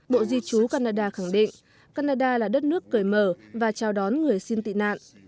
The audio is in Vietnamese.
bộ di trú canada khẳng định canada là đất nước cởi mở và chào đón người xin tị nạn